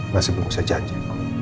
masih belum usah janji